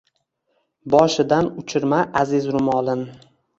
Boshidan uchirma aziz rumolin